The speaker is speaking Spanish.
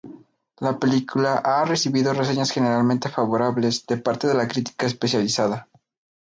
La película ha recibido reseñas generalmente favorables de parte de la crítica especializada.